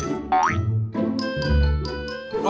stop perlukan dulu